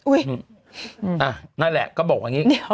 อ๊วยนั่นแหละก็บอกกันงี้